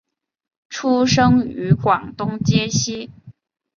出生于广东揭西。